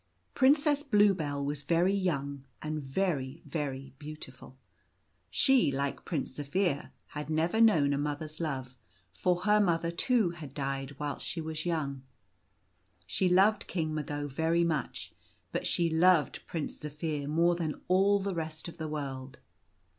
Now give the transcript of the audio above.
Princess Bluebell was very young and very, very beau tiful. She, like Prince Zaphir, had never known a mother's love, for her mother, too, had died whilst she was young. She loved King Mago very much, but she loved Prince Zaphir more than all the rest of the world.